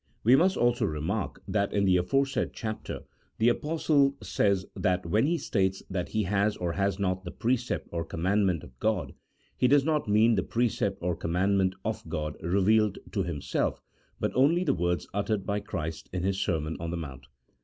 We must also remark that in the 1 See Note 24. 158 A THEOLOGICO POLITICAL TREATISE. [CHAP. XI. aforesaid chapter the Apostle says that when he states that he has or has not the precept or commandment of God, he does not mean the precept or commandment of God re vealed to himself, but only the words nttered by Christ in His Sermon on the Mount.